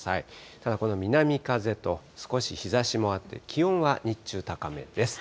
ただ、この南風と、少し日ざしもあって、気温は日中、高めです。